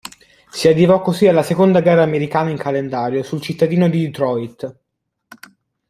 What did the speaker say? Si arrivò così alla seconda gara americana in calendario sul cittadino di Detroit.